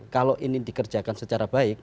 kalau ini dikerjakan secara baik